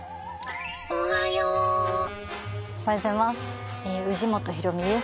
おはようございます。